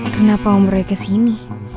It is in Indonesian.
kenapa om roy kesini